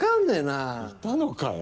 いたのかよ！